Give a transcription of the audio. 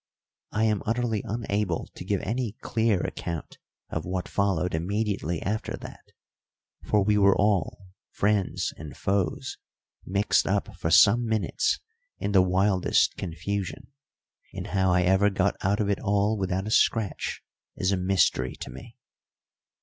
I am utterly unable to give any clear account of what followed immediately after that, for we were all, friends and foes, mixed up for some minutes in the wildest confusion, and how I ever got out of it all without a scratch is a mystery to me.